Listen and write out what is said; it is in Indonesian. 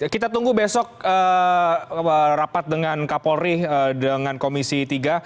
kita tunggu besok rapat dengan kapolri dengan komisi tiga